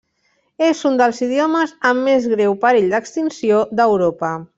És un dels idiomes en més greu perill d'extinció d'Europa.